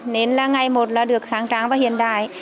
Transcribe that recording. nên là ngày một là được kháng tráng và hiện đại